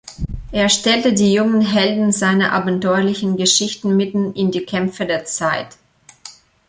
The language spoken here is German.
Er stellte die jungen Helden seiner abenteuerlichen Geschichten mitten in die Kämpfe der Zeit.